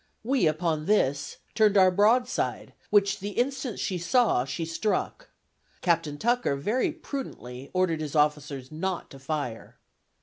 We, upon this, turned our broadside, which the instant she saw she struck. Captain Tucker very prudently ordered his officers not to fire."